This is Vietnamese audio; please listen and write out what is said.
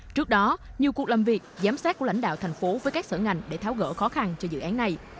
trước đó nhiều cuộc làm việc giám sát của lãnh đạo thành phố với các sở ngành để tháo gỡ khó khăn cho dự án này